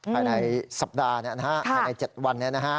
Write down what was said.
ภายในสัปดาห์นี้นะฮะภายใน๗วันนี้นะฮะ